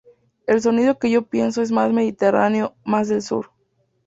El sonido que yo pienso es más mediterráneo, más del sur.